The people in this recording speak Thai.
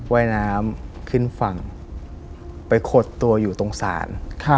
ว่ายน้ำขึ้นฝั่งไปขดตัวอยู่ตรงศาล